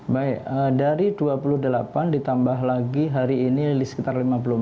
baik dari dua puluh delapan ditambah lagi hari ini sekitar lima puluh empat